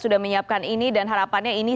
sudah menyiapkan ini dan harapannya ini